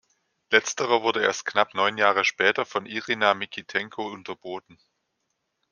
Letzterer wurde erst knapp neun Jahre später von Irina Mikitenko unterboten.